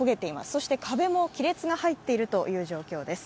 そして壁も亀裂が入っているという状況です。